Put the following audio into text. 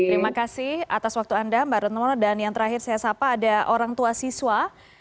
terima kasih atas waktu anda mbak retno dan yang terakhir saya sapa ada orang tua siswa